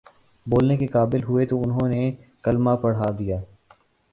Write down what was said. بولنے کے قابل ہوئے تو انہوں نے کلمہ پڑھادیا